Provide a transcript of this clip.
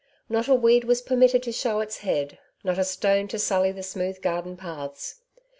Not a weed was permitted to show its head, not a stone to sully the smooth garden paths.